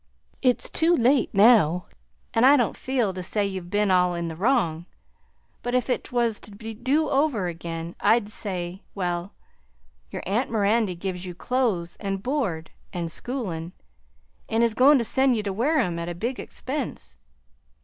It's too late now, an' I don't feel to say you've ben all in the wrong; but if 't was to do over again, I'd say, well, your aunt Mirandy gives you clothes and board and schoolin' and is goin' to send you to Wareham at a big expense.